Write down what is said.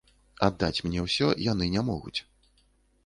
Аддаць мне ўсё яны не могуць.